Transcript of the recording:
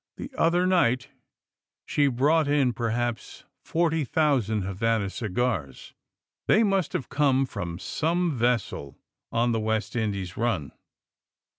The other night she brought in per haps forty thousand Havana cigars. They must have come from some vessel on the West In dian run."